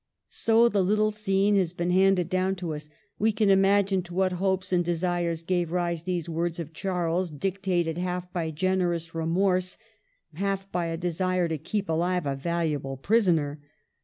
So the little scene has been handed down to us. We can imagine to what hopes and de sires gave rise these words of Charles, dictated half by generous remorse, half by a desire to keep alive a valuable prisoner.